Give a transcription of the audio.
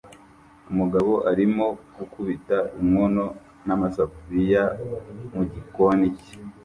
Umugabo arimo gukubita inkono n'amasafuriya mu gikoni cye